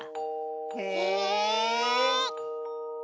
へえ。